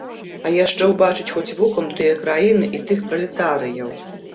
А яшчэ ўбачыць хоць вокам тыя краіны і тых пралетарыяў.